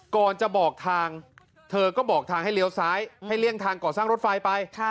ก่อนจะบอกทางเธอก็บอกทางให้เลี้ยวซ้ายให้เลี่ยงทางก่อสร้างรถไฟไป